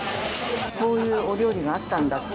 こういうお料理があったんだと。